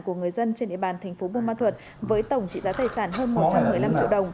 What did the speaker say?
của người dân trên địa bàn tp bung ma thuật với tổng trị giá tài sản hơn một trăm một mươi năm triệu đồng